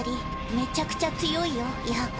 めちゃくちゃ強いよやーこ。